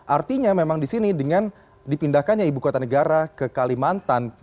artinya memang di sini dengan dipindahkannya ibu kota negara ke kalimantan